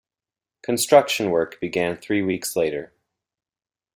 Construction work began three weeks later.